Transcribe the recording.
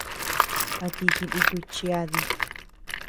¿A ti jinukuy chiadi?